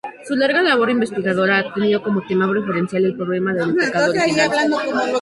Su larga labor investigadora ha tenido como tema preferencial el "problema del pecado original".